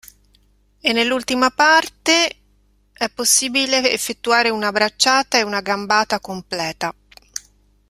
E nell'ultima parte è possibile effettuare una bracciata ed una gambata completa.